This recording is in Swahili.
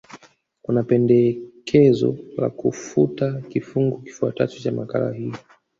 Kuna pendekezo la kufuta kifungu kifuatacho cha makala hii